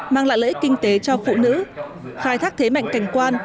mang lại lợi ích kinh tế cho phụ nữ khai thác thế mạnh cảnh quan